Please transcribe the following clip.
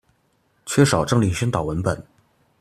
缺少政令宣傳文本